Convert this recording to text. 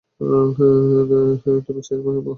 তুমি চাইয়ের মা, তাই না?